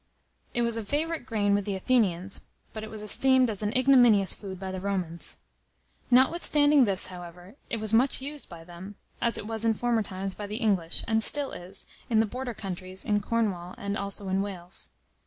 It was a favourite grain with the Athenians, but it was esteemed as an ignominious food by the Romans. Notwithstanding this, however, it was much used by them, as it was in former times by the English, and still is, in the Border counties, in Cornwall, and also in Wales.